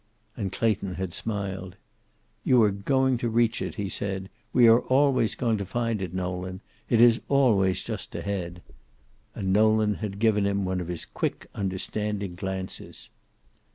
And Clayton had smiled. "You are going to reach it," he said. "We are always going to find it, Nolan. It is always just ahead." And Nolan had given him one of his quick understanding glances.